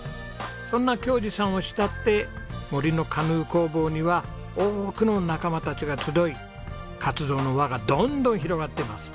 そんな恭嗣さんを慕って森のカヌー工房には多くの仲間たちが集い活動の輪がどんどん広がっています。